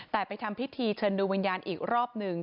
แต่ไปทำพิธีเชิญดวงวิญญาณอีกรอบหนึ่ง